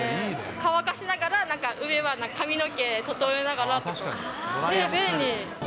乾かしながら、なんか上は髪の毛整えながら、便利。